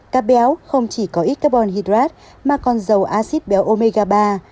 cá béo không chỉ có ít carbon hydrate mà còn dầu acid béo omega ba